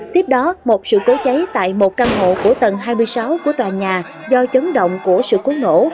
tiếp đó một sự cố cháy tại một căn hộ của tầng hai mươi sáu của tòa nhà do chấn động của sự cố nổ